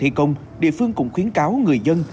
thi công địa phương cũng khuyến cáo người dân